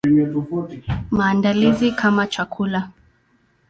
Maandalizi kama chakula.